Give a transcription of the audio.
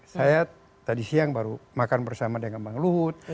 saya tadi siang baru makan bersama dengan bang luhut